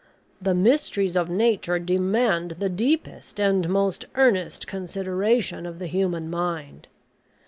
The mysteries of Nature demand the deepest and most earnest consideration of the human mind.